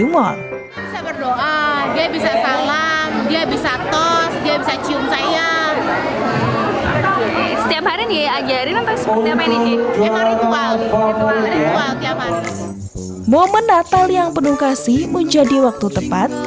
momen natal yang penuh kasih menjadi waktu tepat